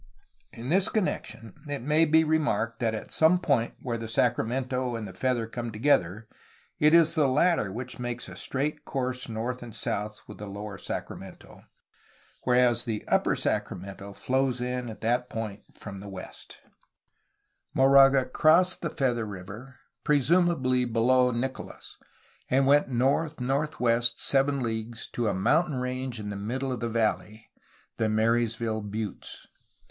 In this connection it may be remarked that at the point where the Sacramento and Feather come together it is the latter which makes a straight course north and south with the lower Sacramento, whereas the upper Sacramento flows in at that point from the west. 424 A HISTORY OF CALIFORNIA Moraga crossed the Feather River, presumably below Nicolaus, and went north northwest seven leagues to ^*a mountain range in the middle of the valley/' — the Marys ville Buttes.